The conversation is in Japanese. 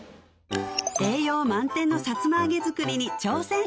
栄養満点のさつま揚げ作りに挑戦